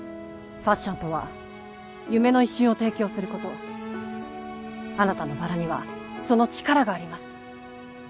ファッションとは夢の一瞬を提供することあなたのバラにはその力があります